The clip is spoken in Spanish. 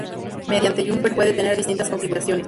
Mediante Jumper, puede tener distintas configuraciones.